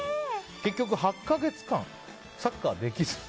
結局８か月間サッカーできず。